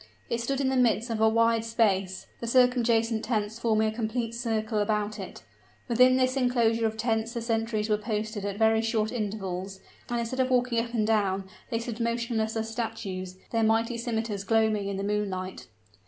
It stood in the midst of a wide space, the circumjacent tents forming a complete circle about it. Within this inclosure of tents the sentries were posted at very short intervals; and instead of walking up and down, they stood motionless as statues, their mighty scimiters gleaming in the moonlight.